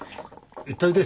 行っといで。